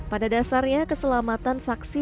pada dasarnya keselamatan saksi